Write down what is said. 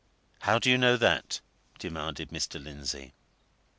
"How do you know that?" demanded Mr. Lindsey.